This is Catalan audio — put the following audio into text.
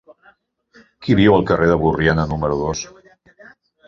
Qui viu al carrer de Borriana número dos?